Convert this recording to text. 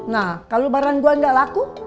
nah kalau barang gue gak laku